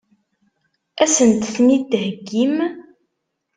Ad sent-ten-id-theggim?